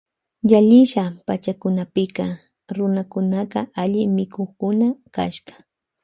Yalisha pachakunapika runakunaka alli mikukkuna kashka.